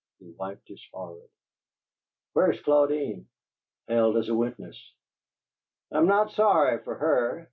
He wiped his forehead. "Where's Claudine?" "Held as a witness." "I'm not sorry fer HER!"